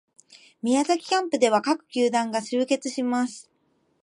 宮崎キャンプでは各球団が集結します